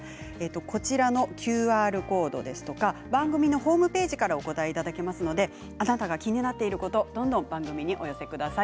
こちらのＱＲコードですとか番組のホームページからお答えいただけますのであなたが気になっていることどんどん番組にお寄せください。